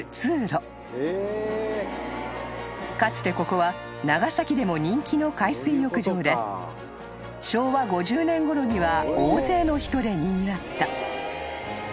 ［かつてここは長崎でも人気の海水浴場で昭和５０年ごろには大勢の人でにぎわった］